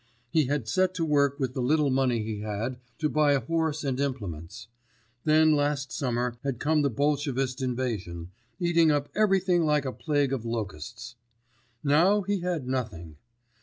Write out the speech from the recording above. He had set to work with the little money he had to buy a horse and implements; then last summer had come the Bolshevist invasion, eating up everything like a plague of locusts. Now he had nothing.